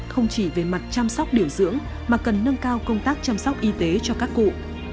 không chỉ về mặt chăm sóc điều dưỡng mà cần nâng cao công tác chăm sóc y tế cho các cụ